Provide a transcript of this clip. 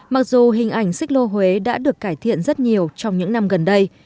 mặc dù hình ảnh xích lô huế đã được cải thiện rất nhiều trong những năm gần đây